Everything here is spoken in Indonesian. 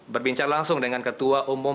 berbincang langsung dengan ketua umum